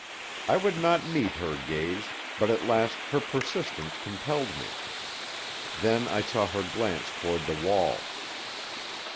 I would not meet her gaze, but at last her persistence compelled me. Then I saw her glance toward the wall.